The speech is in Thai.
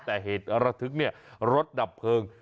แต่เหตุระทึกเนี่ยรถดับเพลิง